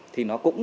thì nó cũng